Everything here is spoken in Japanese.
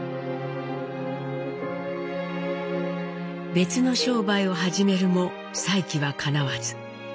別の商売を始めるも再起はかなわず。